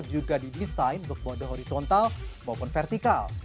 juga didesain untuk mode horizontal maupun vertikal